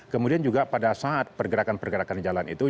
kemudian juga pada saat pergerakan pergerakan jalan itu